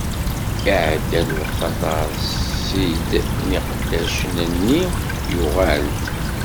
Iɛedda lweqt aṭas, ssid n iqeddacen-nni yuɣal-d.